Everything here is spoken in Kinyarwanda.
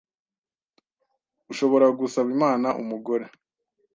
Ushobora gusaba Imana umugore